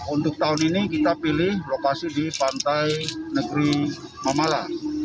untuk tahun ini kita pilih lokasi di pantai negeri mamala